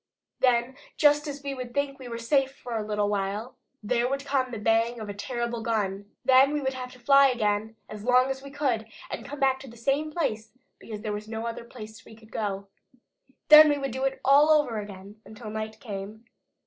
Then just as we would think we were safe for a little while, there would come the bang of a terrible gun. Then we would have to fly again as long as we could, and finally come back to the same place because there was no other place where we could go. Then we would have to do it all over again until night came.